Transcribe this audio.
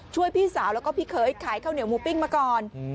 พี่สาวแล้วก็พี่เคยขายข้าวเหนียวหมูปิ้งมาก่อน